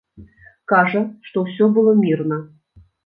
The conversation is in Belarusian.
Кажа, што ўсё было мірна.